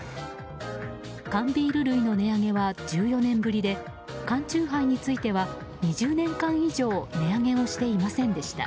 缶ビール類の値上げは１４年ぶりで缶酎ハイについては２０年間以上値上げをしていませんでした。